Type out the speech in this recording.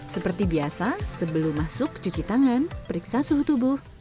seperti biasa sebelum masuk cuci tangan periksa suhu tubuh